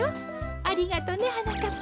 ありがとねはなかっぱ。